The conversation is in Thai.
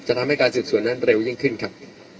ทำให้การสืบสวนนั้นเร็วยิ่งขึ้นครับ